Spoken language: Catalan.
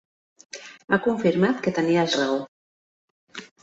Ha confirmat que tenies raó.